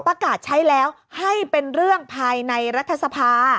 ประกาศใช้แล้วให้เป็นเรื่องภายในรัฐสภา